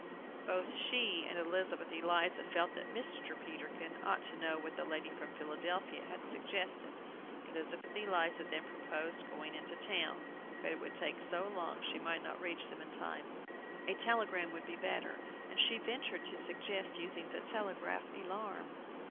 Both she and Elizabeth Eliza felt that Mr. Peterkin ought to know what the lady from Philadelphia had suggested. Elizabeth Eliza then proposed going into town, but it would take so long she might not reach them in time. A telegram would be better, and she ventured to suggest using the Telegraph Alarm.